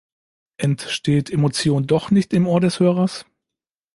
Entsteht Emotion doch nicht im Ohr des Hörers?